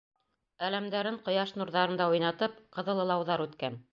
Әләмдәрен ҡояш нурҙарында уйнатып, ҡыҙыл ылауҙар үткән...